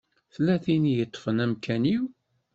Tella tin i yeṭṭfen amkan-iw.